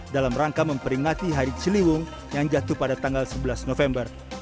dalam rangka memperingati hari ciliwung yang jatuh pada tanggal sebelas november